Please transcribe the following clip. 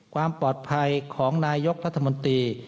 ความปลอดภัยของนายกรัฐมนตรี